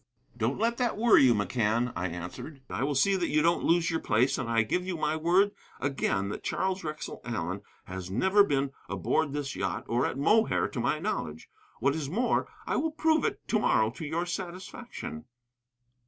"Don't let that worry you, McCann," I answered. "I will see that you don't lose your place, and I give you my word again that Charles Wrexell Allen has never been aboard this yacht, or at Mohair to my knowledge. What is more, I will prove it to morrow to your satisfaction."